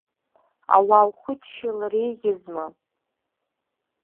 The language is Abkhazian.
Ауаа ухыччалар еиӷьызма?